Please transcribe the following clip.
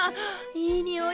いいにおい！